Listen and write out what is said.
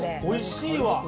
おいしいわ。